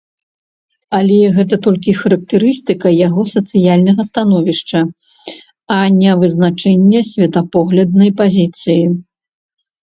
Але гэта толькі характарыстыка яго сацыяльнага становішча, а не вызначэнне светапогляднай пазіцыі.